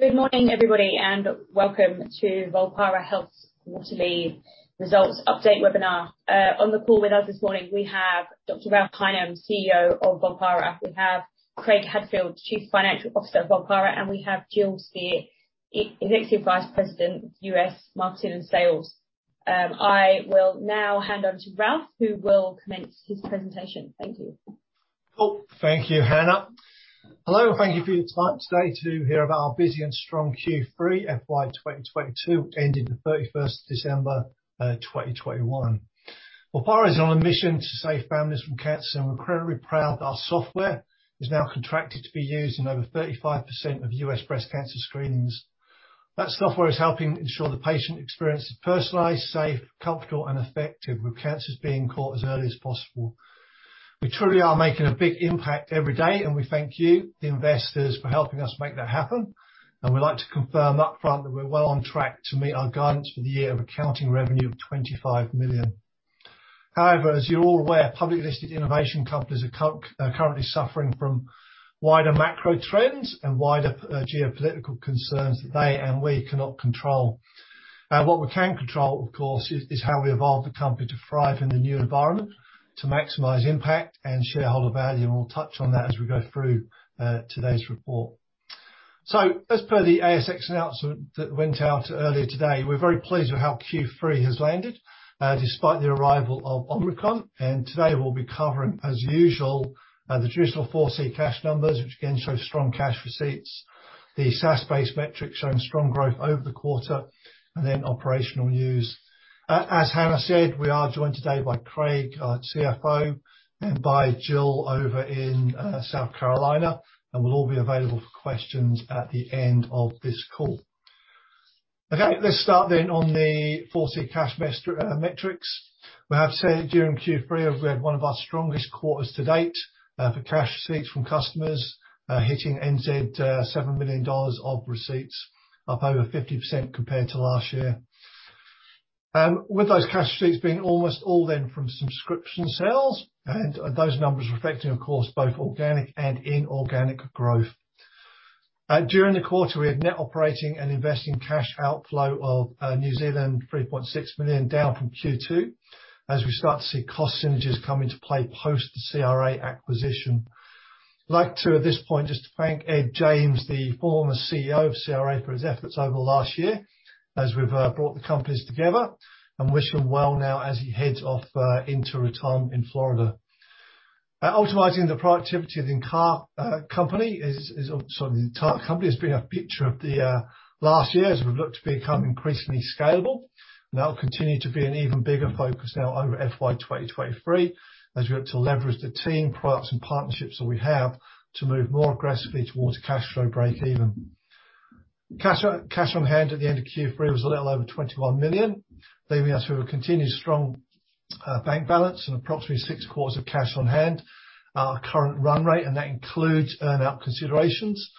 Good morning, everybody, and welcome to Volpara Health's quarterly results update webinar. On the call with us this morning, we have Dr. Ralph Highnam, CEO of Volpara. We have Craig Hadfield, Chief Financial Officer of Volpara, and we have Jill Spear, Executive Vice President, U.S. Marketing and Sales. I will now hand over to Ralph, who will commence his presentation. Thank you. Cool. Thank you, Hannah. Hello, thank you for your time today to hear about our busy and strong Q3 FY 2022 ending the 31st of December 2021. Volpara is on a mission to save families from cancer, and we're incredibly proud that our software is now contracted to be used in over 35% of U.S. breast cancer screenings. That software is helping ensure the patient experience is personalized, safe, comfortable, and effective, with cancers being caught as early as possible. We truly are making a big impact every day, and we thank you, the investors, for helping us make that happen. We'd like to confirm up front that we're well on track to meet our guidance for the year of accounting revenue of 25 million. However, as you're all aware, public listed innovation companies are currently suffering from wider macro trends and wider geopolitical concerns that they and we cannot control. What we can control, of course, is how we evolve the company to thrive in the new environment, to maximize impact and shareholder value, and we'll touch on that as we go through today's report. As per the ASX announcement that went out earlier today, we're very pleased with how Q3 has landed, despite the arrival of Omicron. Today we'll be covering, as usual, the traditional 4C cash numbers, which again show strong cash receipts, the SaaS-based metrics showing strong growth over the quarter, and then operational news. As Hannah said, we are joined today by Craig, our CFO, and by Jill over in South Carolina, and we'll all be available for questions at the end of this call. Okay, let's start then on the 4C cash metrics. During Q3, we had one of our strongest quarters to date for cash receipts from customers, hitting 7 million NZ dollars of receipts, up over 50% compared to last year. With those cash receipts being almost all of them from subscription sales, and those numbers reflecting, of course, both organic and inorganic growth. During the quarter, we had net operating and investing cash outflow of 3.6 million, down from Q2, as we start to see cost synergies come into play post the CRA acquisition. I'd like to, at this point, just to thank Ed James, the former CEO of CRA, for his efforts over the last year as we've brought the companies together and wish him well now as he heads off into retirement in Florida. Optimizing the productivity of the entire company has been a feature of the last year, as we've looked to become increasingly scalable, and that will continue to be an even bigger focus now over FY 2023, as we look to leverage the team, products, and partnerships that we have to move more aggressively towards cash flow breakeven. Cash on hand at the end of Q3 was a little over 21 million, leaving us with a continued strong bank balance and approximately six quarters of cash on hand, our current run rate, and that includes earn-out considerations,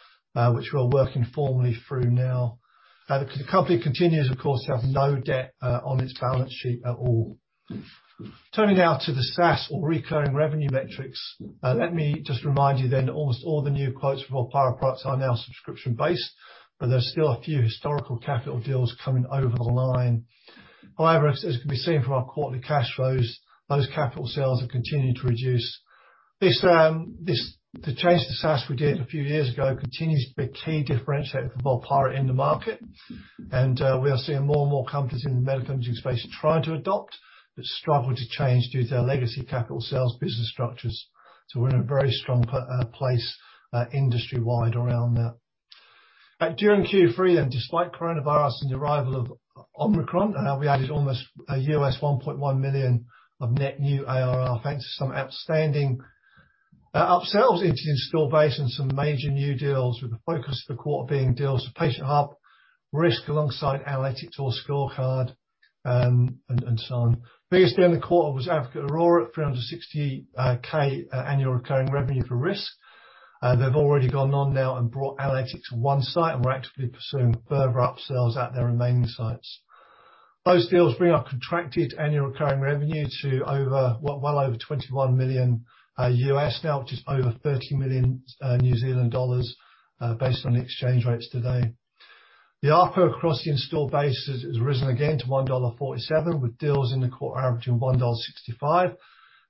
which we are working formally through now. The company continues, of course, to have no debt on its balance sheet at all. Turning now to the SaaS or recurring revenue metrics, let me just remind you then almost all the new quotes for Volpara products are now subscription-based, but there's still a few historical capital deals coming over the line. However, as can be seen from our quarterly cash flows, those capital sales have continued to reduce. The change to SaaS we did a few years ago continues to be a key differentiator for Volpara in the market. We are seeing more and more companies in the medical imaging space try to adopt but struggle to change due to their legacy capital sales business structures. We're in a very strong position industry-wide around that. During Q3 then, despite coronavirus and the arrival of Omicron, we added almost $1.1 million of net new ARR, thanks to some outstanding upsells into the installed base and some major new deals, with the focus of the quarter being deals with Patient Hub, Risk, alongside Analytics or Scorecard, and so on. Biggest deal in the quarter was Advocate Aurora at $360,000 annual recurring revenue for Risk. They've already gone on now and brought Analytics to one site, and we're actively pursuing further upsells at their remaining sites. Those deals bring our contracted annual recurring revenue to over, well over $21 million now, which is over 30 million New Zealand dollars, based on the exchange rates today. The ARPU across the installed base has risen again to $1.47, with deals in the quarter averaging $1.65.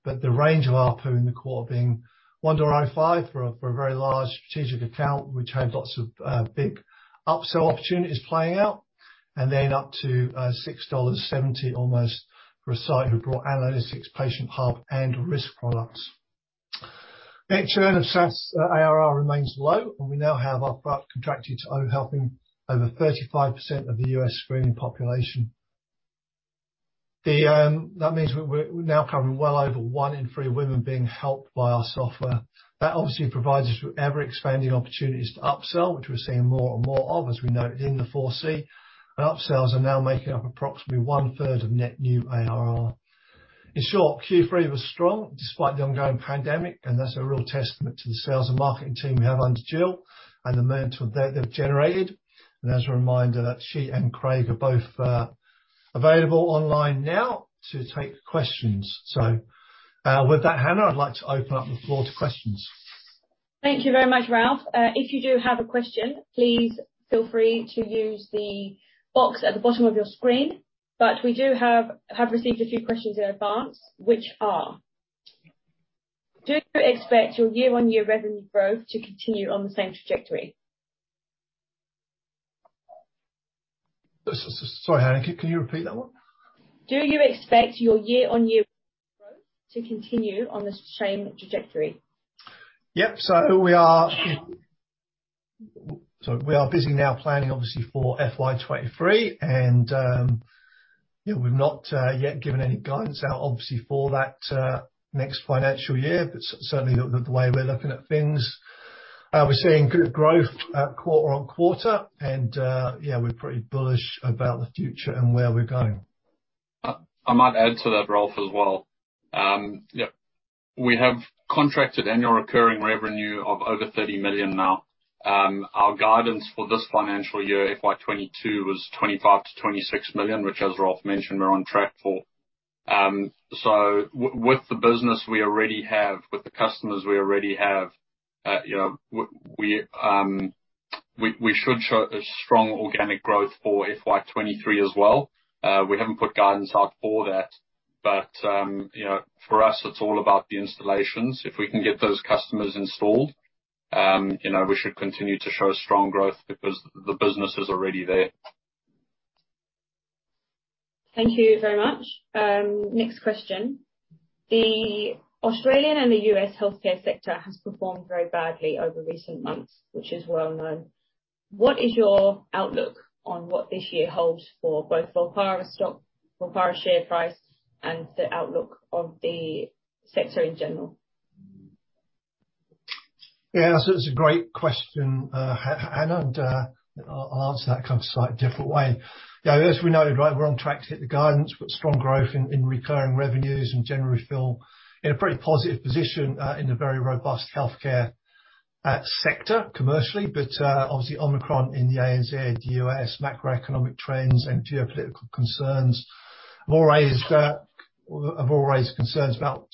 The range of ARPU in the quarter being $1.05 for a very large strategic account, which had lots of big upsell opportunities playing out. up to almost $6.70 for a site who brought Analytics, Patient Hub, and Risk products. Rate of churn of SaaS ARR remains low, and we now have our product contracted, helping over 35% of the U.S. screening population. That means we're now covering well over 1/3 of women being helped by our software. That obviously provides us with ever-expanding opportunities to upsell, which we're seeing more and more of, as we noted in the 4C. Upsells are now making up approximately 1/3 of net new ARR. In short, Q3 was strong despite the ongoing pandemic, and that's a real testament to the sales and marketing team we have under Jill and the momentum that they've generated. As a reminder that she and Craig are both available online now to take questions. With that, Hannah, I'd like to open up the floor to questions. Thank you very much, Ralph. If you do have a question, please feel free to use the box at the bottom of your screen. But we have received a few questions in advance, which are: Do you expect your year-over-year revenue growth to continue on the same trajectory? Sorry, Hannah. Can you repeat that one? Do you expect your year-on-year growth to continue on the same trajectory? Yep. We are busy now planning obviously for FY 2023 and we've not yet given any guidance out obviously for that next financial year. Certainly the way we're looking at things, we're seeing good growth quarter-on-quarter and we're pretty bullish about the future and where we're going. I might add to that, Ralph, as well. We have contracted annual recurring revenue of over 30 million now. Our guidance for this financial year, FY 2022, was 25-26 million, which as Ralph mentioned, we're on track for. With the business we already have, with the customers we already have, you know, we should show a strong organic growth for FY 2023 as well. We haven't put guidance out for that but, you know, for us, it's all about the installations. If we can get those customers installed, you know, we should continue to show strong growth because the business is already there. Thank you very much. Next question. The Australian and the U.S. healthcare sector has performed very badly over recent months, which is well-known. What is your outlook on what this year holds for both Volpara stock, Volpara share price, and the outlook of the sector in general? Yeah. It's a great question, Hannah, and I'll answer that kind of slightly different way. You know, as we noted, right, we're on track to hit the guidance, with strong growth in recurring revenues, and generally feel like we're in a pretty positive position in the very robust healthcare sector commercially. Obviously, Omicron in the ANZ, the U.S. macroeconomic trends and geopolitical concerns have all raised concerns about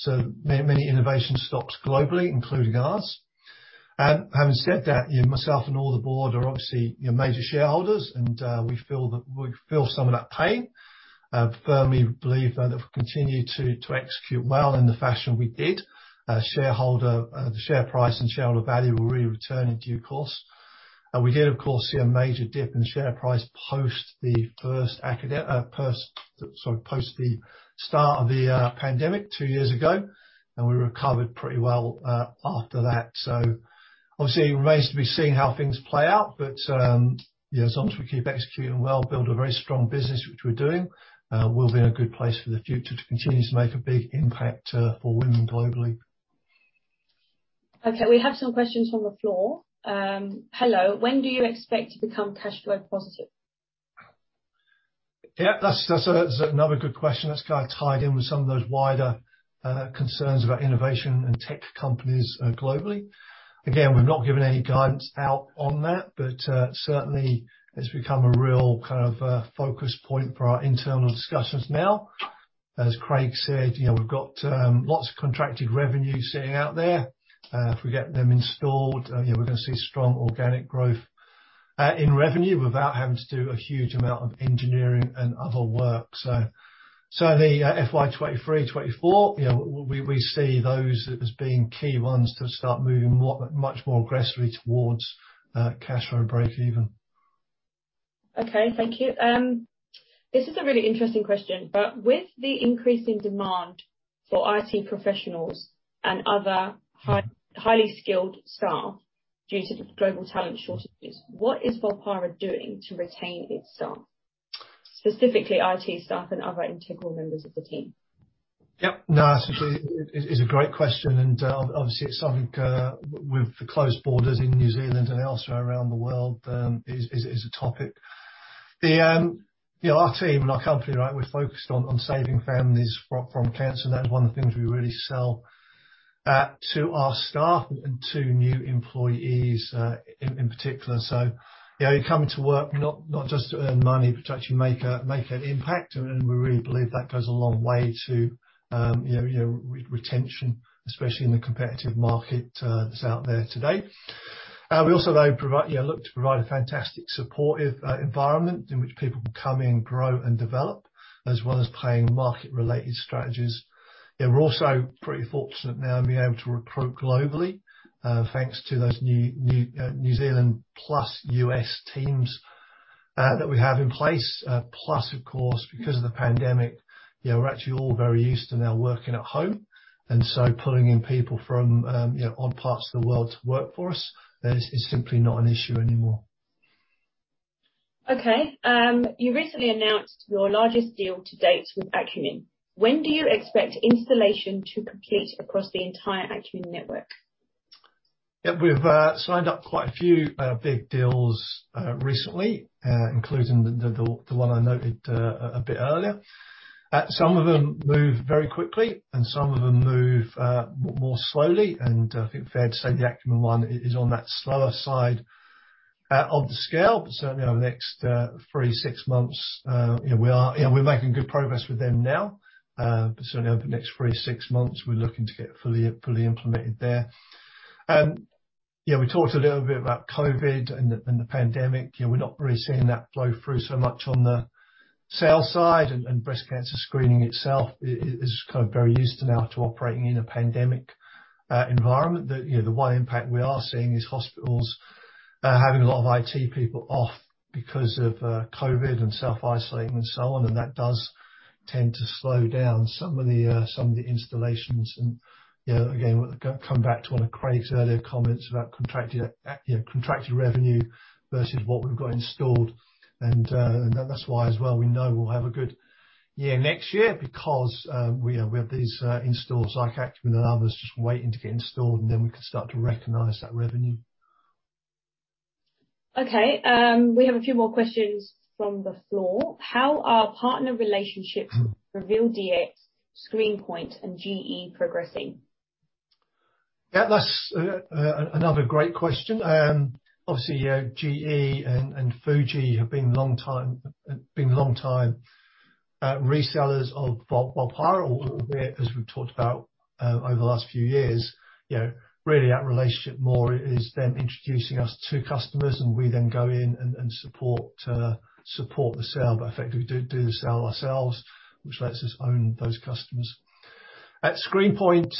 many innovation stocks globally, including ours. Having said that, you know, myself and all the board are obviously major shareholders, and we feel some of that pain. I firmly believe that if we continue to execute well in the fashion we did, the share price and shareholder value will really return in due course. We did of course see a major dip in share price post the start of the pandemic two years ago, and we recovered pretty well after that. Obviously, it remains to be seen how things play out. You know, as long as we keep executing well, build a very strong business, which we're doing, we'll be in a good place for the future to continue to make a big impact for women globally. Okay. We have some questions from the floor. Hello. When do you expect to become cash flow positive? Yeah. That's another good question. That's kind of tied in with some of those wider concerns about innovation and tech companies globally. Again, we've not given any guidance out on that, but certainly it's become a real kind of focal point for our internal discussions now. As Craig said, you know, we've got lots of contracted revenue sitting out there. If we get them installed, you know, we're gonna see strong organic growth in revenue without having to do a huge amount of engineering and other work. The FY 2023, 2024, you know, we see those as being key ones to start moving much more aggressively towards cash flow breakeven. Okay. Thank you. This is a really interesting question. With the increasing demand for IT professionals and other highly skilled staff due to the global talent shortages, what is Volpara doing to retain its staff, specifically IT staff and other integral members of the team? No, it is a great question, and obviously it's something with the closed borders in New Zealand and elsewhere around the world, is a topic. You know, our team and our company, right, we're focused on saving families from cancer. That's one of the things we really sell to our staff and to new employees, in particular. You know, you come into work not just to earn money, but to actually make an impact, and we really believe that goes a long way to, you know, retention, especially in the competitive market that's out there today. We also provide, you know, look to provide a fantastic supportive environment in which people can come in, grow and develop, as well as paying market-related strategies. Yeah, we're also pretty fortunate now in being able to recruit globally, thanks to those new New Zealand plus U.S. teams that we have in place. Plus, of course, because of the pandemic, you know, we're actually all very used to now working at home, and so pulling in people from, you know, odd parts of the world to work for us is simply not an issue anymore. Okay. You recently announced your largest deal to date with Akumin. When do you expect installation to complete across the entire Akumin network? Yeah. We've signed up quite a few big deals recently, including the one I noted a bit earlier. Some of them move very quickly, and some of them move more slowly. I think it's fair to say the Akumin one is on that slower side of the scale, but certainly over the next three, six months, you know, we're making good progress with them now. Certainly over the next three, six months, we're looking to get fully implemented there. Yeah, we talked a little bit about COVID and the pandemic. You know, we're not really seeing that flow through so much on the sales side, and breast cancer screening itself is kind of very used to now to operating in a pandemic environment. The wide impact we are seeing is hospitals having a lot of IT people off because of COVID and self-isolating and so on, and that does tend to slow down some of the installations. You know, again, come back to one of Craig's earlier comments about contracted revenue versus what we've got installed, and that's why as well we know we'll have a good year next year because, you know, we have these installs like Akumin and others just waiting to get installed, and then we can start to recognize that revenue. Okay. We have a few more questions from the floor. How are partner relationships RevealDx, ScreenPoint and GE progressing? Yeah, that's another great question. Obviously, you know, GE and Fuji have been long time resellers of Volpara. A little bit, as we've talked about, over the last few years, you know, really that relationship more is them introducing us to customers and we then go in and support the sale, but effectively do the sale ourselves, which lets us own those customers. ScreenPoint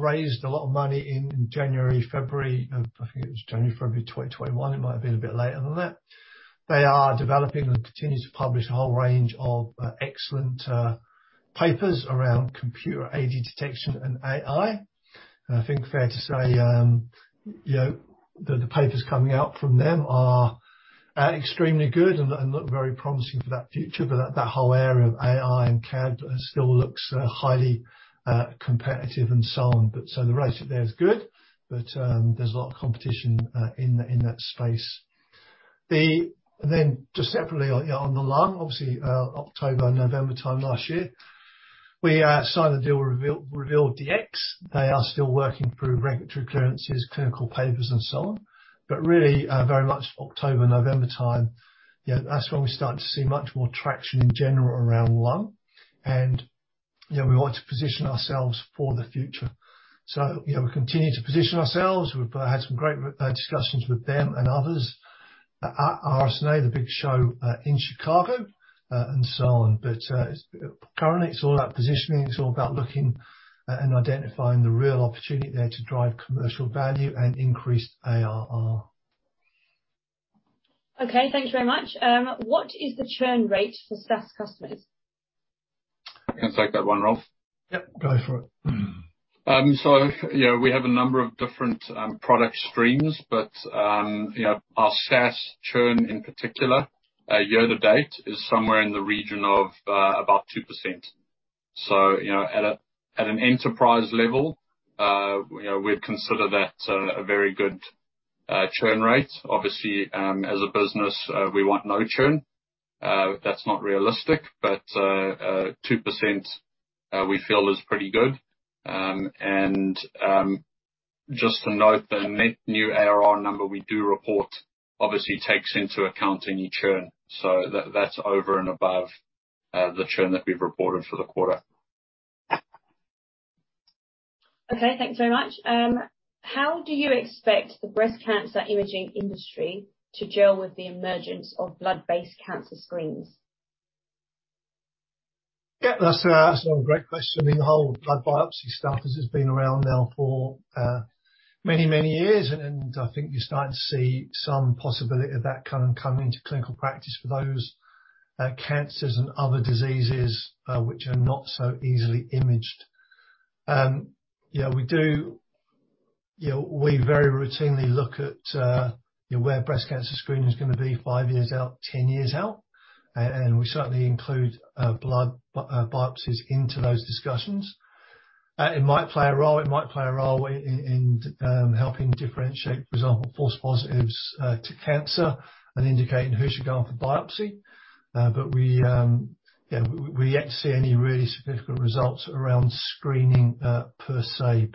raised a lot of money in January, February. I think it was January, February 2021. It might have been a bit later than that. They are developing and continue to publish a whole range of excellent papers around computer-aided detection and AI. I think fair to say, you know, the papers coming out from them are extremely good and look very promising for that future. That whole area of AI and CAD still looks highly competitive and so on. The rate there is good, but there's a lot of competition in that space. Then just separately on, you know, on the lung, obviously, October, November time last year, we signed a deal with RevealDx. They are still working through regulatory clearances, clinical papers and so on. But really very much October, November time, you know, that's when we started to see much more traction in general around lung. You know, we want to position ourselves for the future. You know, we continue to position ourselves. We've had some great discussions with them and others at RSNA, the big show in Chicago and so on. Currently it's all about positioning. It's all about looking and identifying the real opportunity there to drive commercial value and increase ARR. Okay. Thank you very much. What is the churn rate for SaaS customers? I can take that one, Ralph. Yep. Go for it. You know, we have a number of different product streams, but you know, our SaaS churn in particular year to date is somewhere in the region of about 2%. You know, at an enterprise level, you know, we'd consider that a very good churn rate. Obviously, as a business, we want no churn. That's not realistic, but 2%, we feel is pretty good. Just to note, the net new ARR number we do report obviously takes into account any churn, so that's over and above the churn that we've reported for the quarter. Okay. Thank you very much. How do you expect the breast cancer imaging industry to gel with the emergence of blood-based cancer screens? Yeah, that's another great question. I mean, the whole blood biopsy stuff has just been around now for many years, and I think you're starting to see some possibility of that kind of coming into clinical practice for those cancers and other diseases which are not so easily imaged. You know, we very routinely look at you know where breast cancer screening is gonna be five years out, 10 years out, and we certainly include blood biopsies into those discussions. It might play a role in helping differentiate, for example, false positives to cancer and indicating who should go off for biopsy. We you know yet to see any really significant results around screening per se.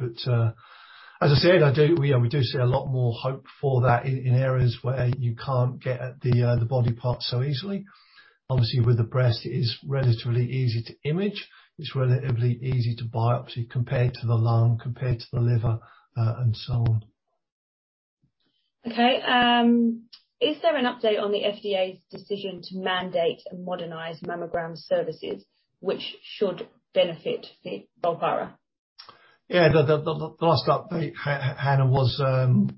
As I said, I do, you know, we do see a lot more hope for that in areas where you can't get at the body part so easily. Obviously, with the breast it is relatively easy to image, it's relatively easy to biopsy compared to the lung, compared to the liver, and so on. Okay. Is there an update on the FDA's decision to mandate and modernize mammogram services, which should benefit Volpara? Yeah. The last update, Hannah, was, I think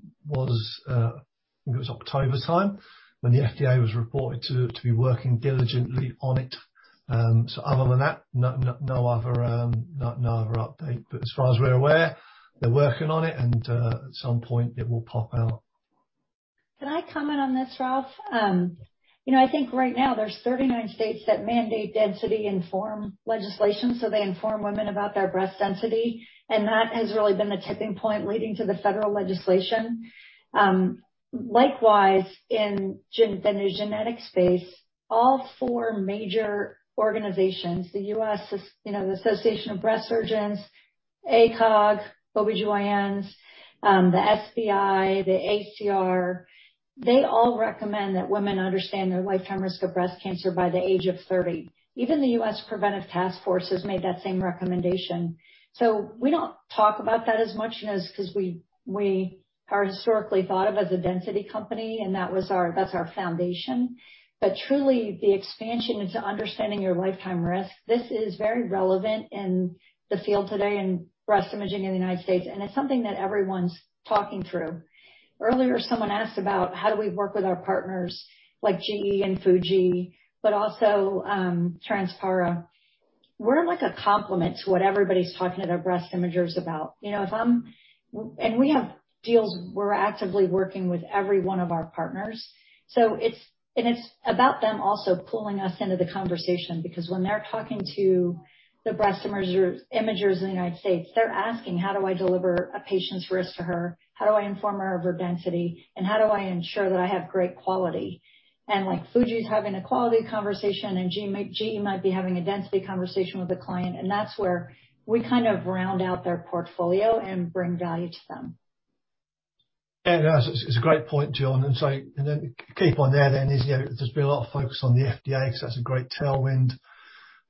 it was October time, when the FDA was reported to be working diligently on it. Other than that, no other update. As far as we're aware, they're working on it and at some point it will pop out. Can I comment on this, Ralph? You know, I think right now there's 39 states that mandate density inform legislation, so they inform women about their breast density, and that has really been the tipping point leading to the federal legislation. Likewise, in the new genetic space, all four major organizations, the U.S. of Breast Surgeons, ACOG, OBGYNs, the SBI, the ACR, they all recommend that women understand their lifetime risk of breast cancer by the age of 30. Even the U.S. Preventive Task Force has made that same recommendation. We don't talk about that as much as 'cause we are historically thought of as a density company, and that's our foundation. Truly, the expansion into understanding your lifetime risk, this is very relevant in the field today in breast imaging in the United States, and it's something that everyone's talking through. Earlier, someone asked about how do we work with our partners like GE and Fuji, but also, Transpara. We're like a complement to what everybody's talking to their breast imagers about. You know, and we have deals. We're actively working with every one of our partners, so it's. It's about them also pulling us into the conversation, because when they're talking to the breast imagers in the United States, they're asking, "How do I deliver a patient's risk to her? How do I inform her of her density? How do I ensure that I have great quality?" Like Fuji's having a quality conversation, and GE might be having a density conversation with a client, and that's where we kind of round out their portfolio and bring value to them. Yeah, no, it's a great point, Jill. You know, there's been a lot of focus on the FDA 'cause that's a great tailwind.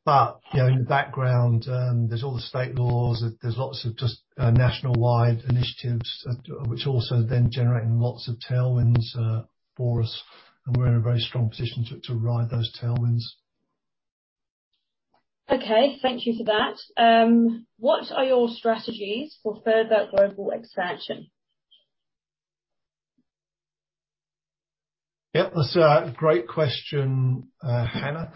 You know, in the background, there's all the state laws. There's lots of just nationwide initiatives which also then generating lots of tailwinds for us, and we're in a very strong position to ride those tailwinds. Okay, thank you for that. What are your strategies for further global expansion? Yeah, that's a great question, Hannah.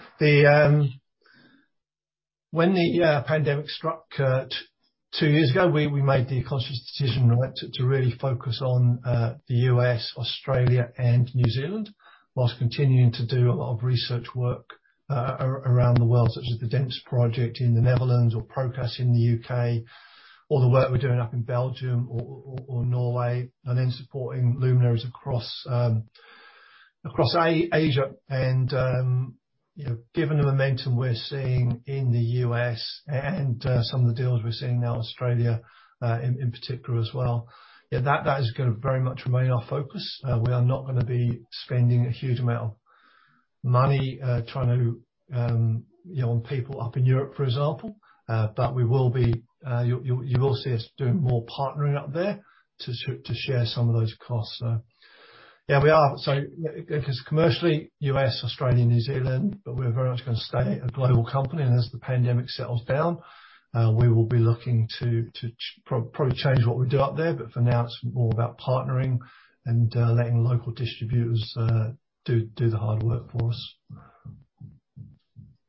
When the pandemic struck two years ago, we made the conscious decision to really focus on the U.S., Australia, and New Zealand, while continuing to do a lot of research work around the world, such as the DENSE project in the Netherlands or PROCAS in the U.K., or the work we're doing up in Belgium or Norway, and then supporting luminaries across Asia. You know, given the momentum we're seeing in the U.S. and some of the deals we're seeing now in Australia, in particular as well, yeah, that is gonna very much remain our focus. We are not gonna be spending a huge amount of money on people up in Europe, for example. We will be. You will see us doing more partnering up there to share some of those costs. Yeah, we are. 'Cause commercially, U.S., Australia, New Zealand, but we're very much gonna stay a global company. As the pandemic settles down, we will be looking to probably change what we do up there, but for now, it's more about partnering and letting local distributors do the hard work for us.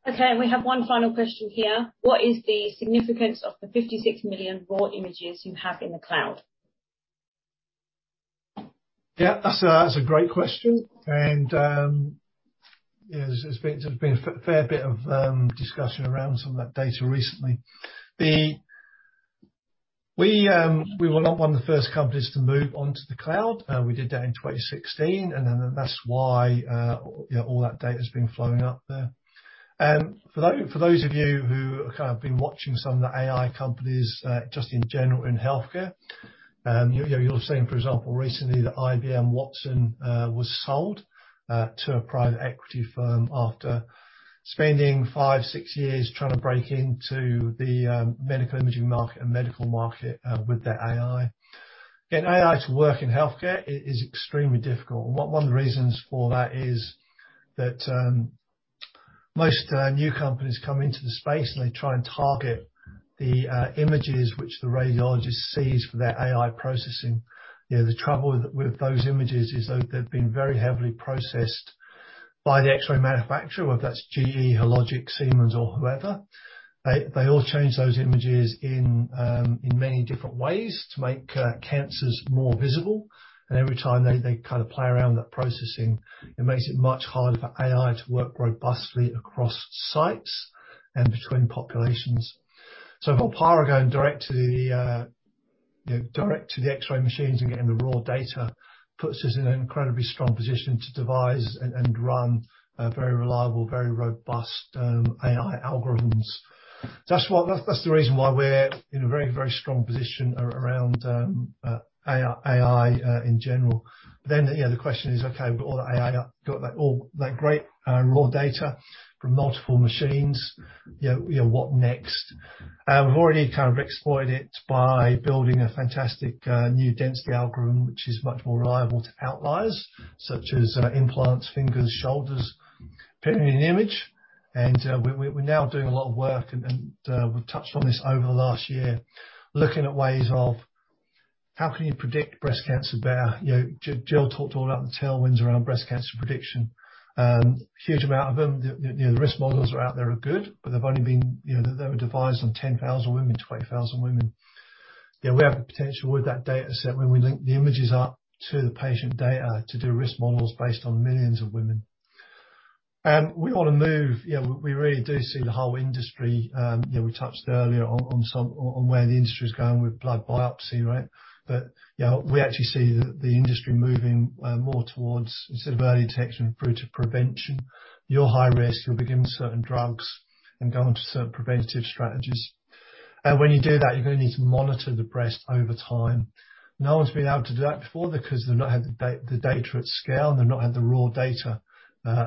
Okay, and we have one final question here. What is the significance of the 56 million raw images you have in the cloud? That's a great question, and there's been a fair bit of discussion around some of that data recently. We were not one of the first companies to move onto the cloud. We did that in 2016, and then that's why, you know, all that data's been flowing up there. For those of you who have kind of been watching some of the AI companies, just in general in healthcare, you'll have seen, for example, recently that IBM Watson was sold to a private equity firm after spending five, six years trying to break into the medical imaging market and medical market with their AI. Getting AI to work in healthcare is extremely difficult. One of the reasons for that is that most new companies come into the space, and they try and target the images which the radiologist sees for their AI processing. You know, the trouble with those images is though they've been very heavily processed by the X-ray manufacturer, whether that's GE, Hologic, Siemens, or whoever. They all change those images in many different ways to make cancers more visible, and every time they kind of play around with that processing, it makes it much harder for AI to work robustly across sites and between populations. Volpara going direct to the, you know, X-ray machines and getting the raw data puts us in an incredibly strong position to devise and run very reliable, very robust AI algorithms. That's the reason why we're in a very, very strong position around AI in general. You know, the question is, okay, we've got all that great raw data from multiple machines, you know, what next? We've already kind of exploited it by building a fantastic new density algorithm, which is much more reliable to outliers, such as implants, fingers, shoulders appearing in the image. We're now doing a lot of work and we've touched on this over the last year, looking at ways of how can you predict breast cancer better. You know, Jill talked all about the tailwinds around breast cancer prediction. Huge amount of them. You know, the risk models that are out there are good, but they've only been devised on 10,000 women, 20,000 women. You know, we have the potential with that data set when we link the images up to the patient data to do risk models based on millions of women. We really do see the whole industry. We touched earlier on some where the industry is going with blood biopsy, right? We actually see the industry moving more towards instead of early detection and preventative prevention, you're high risk, you'll be given certain drugs and go onto certain preventative strategies. When you do that, you're gonna need to monitor the breast over time. No one's been able to do that before because they've not had the data at scale, and they've not had the raw data.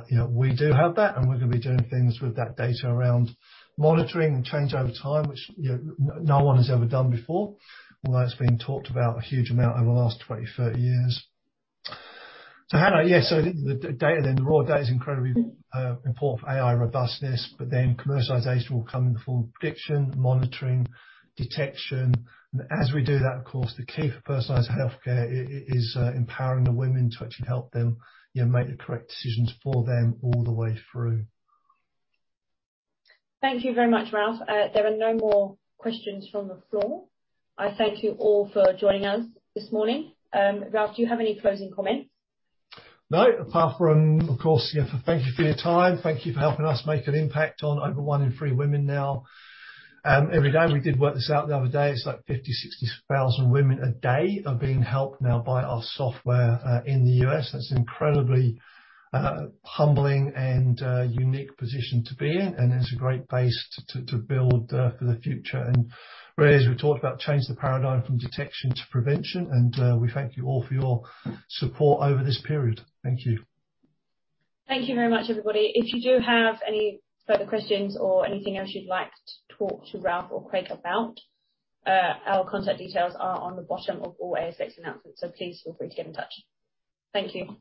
You know, we do have that, and we're gonna be doing things with that data around monitoring and change over time, which, you know, no one has ever done before, although it's been talked about a huge amount over the last 20, 30 years. Hannah, yeah, so the data then, the raw data is incredibly important for AI robustness, but then commercialization will come in the form of prediction, monitoring, detection. As we do that, of course, the key for personalized healthcare is empowering the women to actually help them, you know, make the correct decisions for them all the way through. Thank you very much, Ralph. There are no more questions from the floor. I thank you all for joining us this morning. Ralph, do you have any closing comments? No. Apart from, of course, you know, thank you for your time, thank you for helping us make an impact on over one in three women now, every day. We did work this out the other day. It's like 50,000-60,000 women a day are being helped now by our software in the U.S. That's incredibly humbling and a unique position to be in, and it's a great base to build for the future. Really, as we talked about, change the paradigm from detection to prevention, and we thank you all for your support over this period. Thank you. Thank you very much, everybody. If you do have any further questions or anything else you'd like to talk to Ralph or Craig about, our contact details are on the bottom of all ASX announcements, so please feel free to get in touch. Thank you.